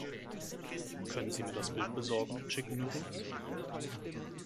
Können Sie mir das Bild besorgen, Chicken Noodles?